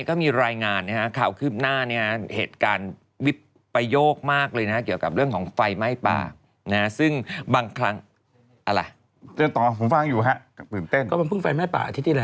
ก็มันเพิ่งแฟนแม่ป่าอาทิตย์ที่แล้ว